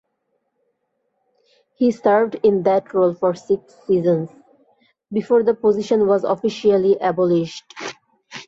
He served in that role for six seasons, before the position was officially abolished.